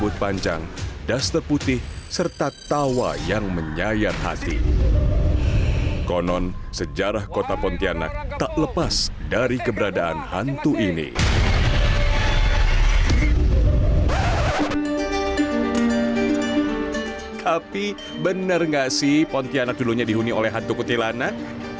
tapi benar tidak sih pontianak dulunya dihuni oleh hantu kuntilanak